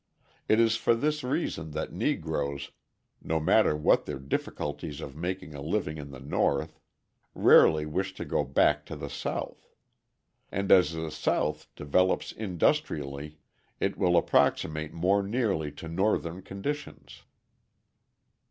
It is for this reason that Negroes, no matter what their difficulties of making a living in the North, rarely wish to go back to the South. And as the South develops industrially it will approximate more nearly to Northern conditions.